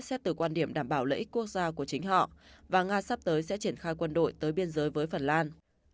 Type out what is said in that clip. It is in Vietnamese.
xét từ quan điểm đảm bảo lợi ích quốc gia của chính họ và nga sắp tới sẽ triển khai quân đội tới biên giới với phần lan